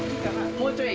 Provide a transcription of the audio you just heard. もうちょい。